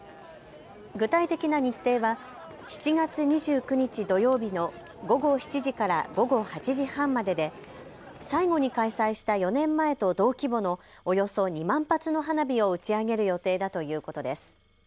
具体的な日程は７月２９日土曜日の午後７時から午後８時半までで最後に開催した４年前と同規模のおよそ２万発の花火を打ち上げる予定だということです。